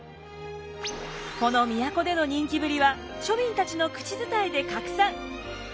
この都での人気ぶりは庶民たちの口伝えで拡散。